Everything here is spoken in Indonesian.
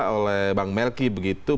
oleh bang melky begitu